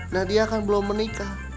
nadia kan belum menikah